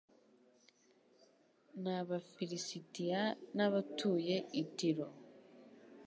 n abafilisitiya n abatuye i tiro